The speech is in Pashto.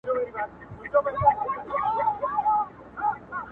ماشومان ژغوري، په حقیقت بدله شې